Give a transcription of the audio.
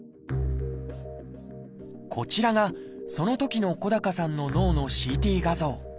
こちらがそのときの小高さんの脳のＣＴ画像。